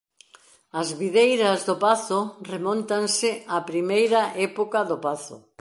As videiras do pazo remóntanse á primeira época do pazo.